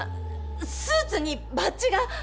スーツにバッジが！